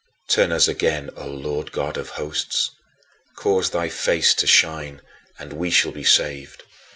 "Turn us again, O Lord God of Hosts, cause thy face to shine; and we shall be saved."